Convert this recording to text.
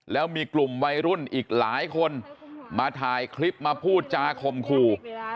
แล้วมีกลุ่มวัยรุ่นอีกหลายคนมาถ่ายคลิปมาพูดจาคมคู่